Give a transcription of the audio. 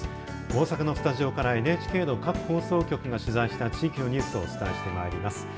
大阪のスタジオからＮＨＫの各放送局が取材した地域のニュースをお伝えしてまいります。